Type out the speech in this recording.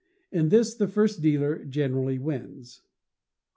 In this the first dealer generally wins.